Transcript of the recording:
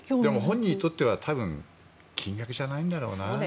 本人にとったら多分、金額じゃないんだろうな。